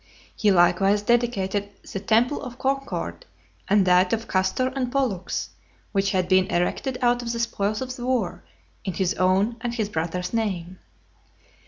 He likewise dedicated the temple of Concord , and that of Castor and Pollux, which had been erected out of the spoils of the war, in his own and his brother's name.